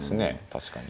確かに。